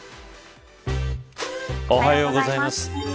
おはようございます。